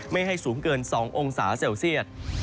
ไม่ให้สูงเกิน๒องศาเซลเซียต